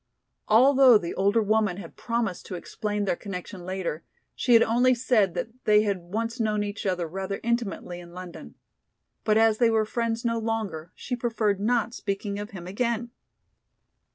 Although the older woman had promised to explain their connection later, she had only said that they had once known each other rather intimately in London. But as they were friends no longer, she preferred not speaking of him again.